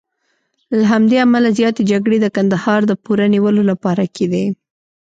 له همدې امله زیاتې جګړې د کندهار د پوره نیولو لپاره کېدې.